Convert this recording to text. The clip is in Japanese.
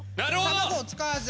卵を使わず。